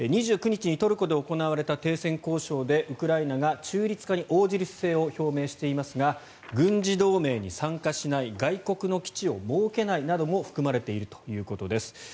２９日にトルコで行われた停戦交渉でウクライナが中立化に応じる姿勢を表明していますが軍事同盟に参加しない外国の基地を設けないなども含まれているということです。